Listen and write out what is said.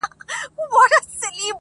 • زه به مي غزل ته عاطفې د سایل واغوندم,